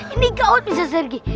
ini gaut mr sergi